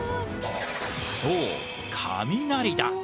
そう雷だ。